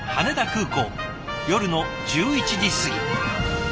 夜の１１時過ぎ。